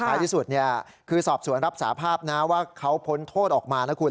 ที่สุดคือสอบสวนรับสาภาพนะว่าเขาพ้นโทษออกมานะคุณ